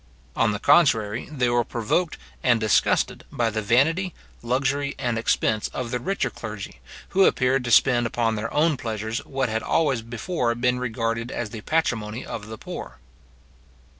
On the contrary, they were provoked and disgusted by the vanity, luxury, and expense of the richer clergy, who appeared to spend upon their own pleasures what had always before been regarded as the patrimony of the poor.